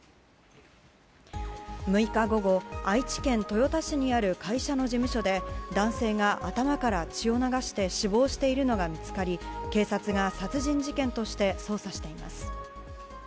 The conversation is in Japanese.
６日午後、愛知県豊田市にある会社の事務所で男性が頭から血を流して死亡しているのが見つかり警察が殺人事件として捜査をしています。